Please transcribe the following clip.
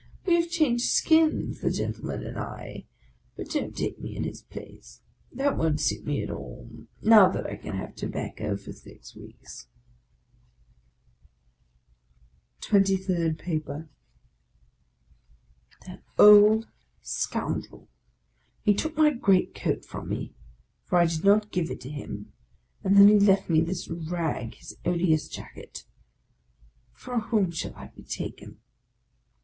We have changed skins, the gentleman and I; but don't take me in his place. That won't suit me at all, now that I can have tobacco for six weeks !" TWENTY THIRD PAPER THAT old scoundrel! he took my great coat from me, for I did not give it to him ; and then he left me this rag, his odious jacket. For whom shall I be taken?